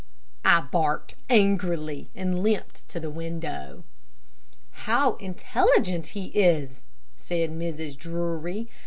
I barked angrily and limped to the window. "How intelligent he is," said Mrs. Drury.